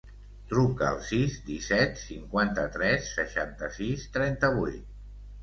Truca al sis, disset, cinquanta-tres, seixanta-sis, trenta-vuit.